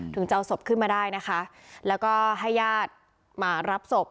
ถึงจะเอาศพขึ้นมาได้นะคะแล้วก็ให้ญาติมารับศพ